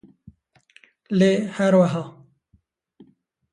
lê her weha